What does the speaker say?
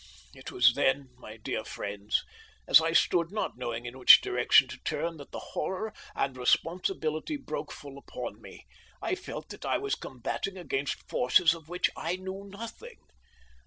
"It was then, my dear friends, as I stood, not knowing in which direction to turn, that the horror and responsibility broke full upon me. I felt that I was combating against forces of which I knew nothing.